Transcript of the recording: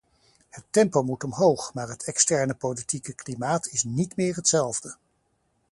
Het tempo moet omhoog, maar het externe politieke klimaat is niet meer hetzelfde.